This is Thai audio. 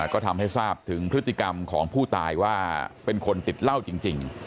ก็ทำให้ทราบถึงพฤติกรรมของผู้ตายว่าเป็นคนติดเหล้าจริง